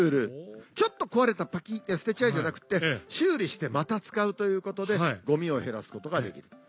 ちょっと壊れたパキっ「捨てちゃえ」じゃなくて修理してまた使うということでゴミを減らすことができる。